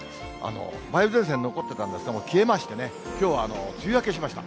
梅雨前線残ってたんですが、消えましてね、きょうは梅雨明けしました。